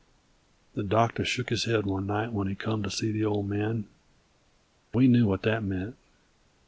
The doctor shook his head one night when he come to see the Old Man; we knew what that meant.